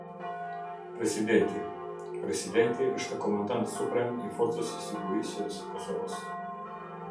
Presidenti Presidenti është Komandant Suprem i Forcës së Sigurisë së Kosovës.